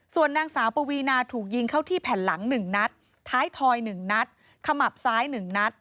ส่วนนางสาวปวีนาถูกยิงเข้าที่แผ่นหลังหนึ่งนัดท้ายถอยหนึ่งนัดขมับซ้ายหนึ่งนัด